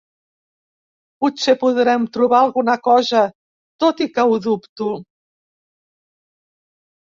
Potser podrem trobar alguna cosa, tot i que ho dubto.